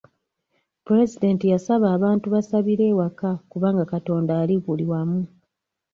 Pulezidenti yasaba abantu basabire ewaka kubanga Katonda ali buli wamu.